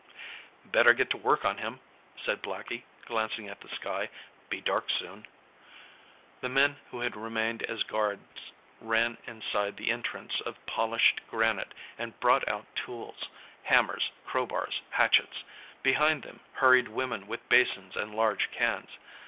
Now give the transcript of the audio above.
"Better get to work on him," said Blackie, glancing at the sky. "Be dark soon." The men who had remained as guards ran inside the entrance of polished granite and brought out tools: hammers, crowbars, hatchets. Behind them hurried women with basins and large cans.